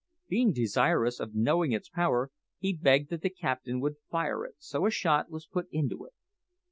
Being desirous of knowing its power, he begged that the captain would fire it; so a shot was put into it.